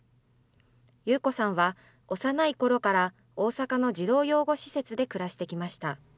ユウコさんは幼いころから大阪の児童養護施設で暮らしてきました。